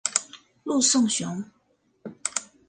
陆颂雄。